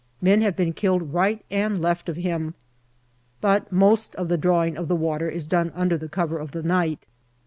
Men have been killed right and left of him. But most of the drawing of the water is done under the cover of the night.